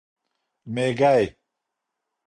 مېږی 🐜